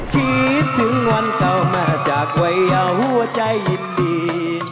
คิดถึงวันเก่ามาจากไว้เอาหัวใจยินดี